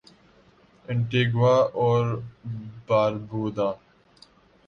Antigua اور باربودا